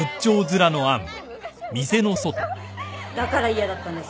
だから嫌だったんです。